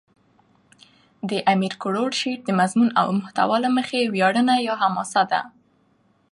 د امیر کروړ شعر دمضمون او محتوا له مخه ویاړنه یا حماسه ده.